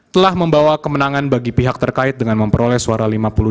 telah membawa kemenangan bagi pihak terkait dengan memperoleh suara lima puluh delapan lima puluh delapan